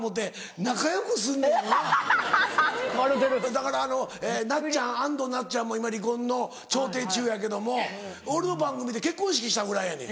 だから安藤なっちゃんも今離婚の調停中やけども俺の番組で結婚式したぐらいやねん。